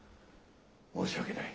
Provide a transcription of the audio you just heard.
申し訳ない。